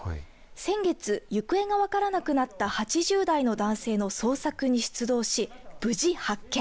先月、行方が分からなくなった８０代の男性の捜索に出動し、無事発見。